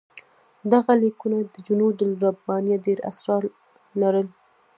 دغه لیکونه د جنودالربانیه ډېر اسرار لرل.